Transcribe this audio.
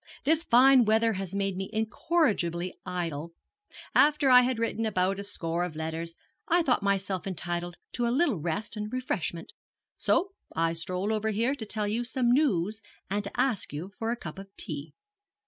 This fine weather has made me incorrigibly idle. After I had written about a score of letters I thought myself entitled to a little rest and refreshment, so I strolled over here to tell you some news and to ask you for a cup of tea.'